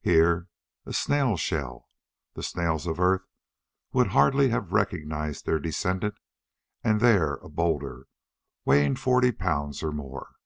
Here a snail shell the snails of Earth would hardly have recognized their descendant and there a boulder weighing forty pounds or more.